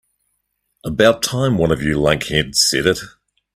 About time one of you lunkheads said it.